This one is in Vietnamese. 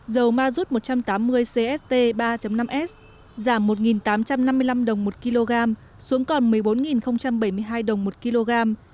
dầu mazut một trăm tám mươi cst ba năm s giảm một tám trăm năm mươi năm đồng một kg xuống còn một mươi bốn bảy mươi hai đồng một kg